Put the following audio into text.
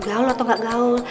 gaul atau gak gaul